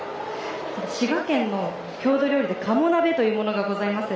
滋賀県の郷土料理で鴨鍋というものがございます。